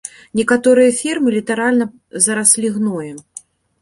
Некаторыя фермы літаральна зараслі гноем.